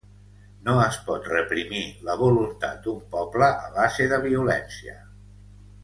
No es pot reprimir la voluntat d’un poble a base de violència.